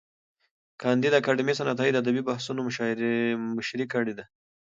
کانديد اکاډميسن عطايي د ادبي بحثونو مشري کړې ده.